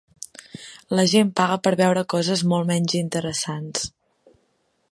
La gent paga per veure coses molt menys interessants.